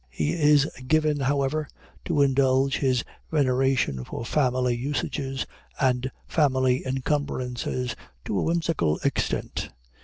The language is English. He is given, however, to indulge his veneration for family usages, and family encumbrances, to a whimsical extent.